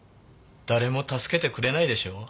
誰も助けてくれないでしょう。